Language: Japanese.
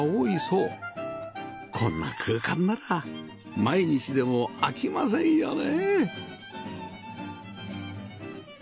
こんな空間なら毎日でも飽きませんよね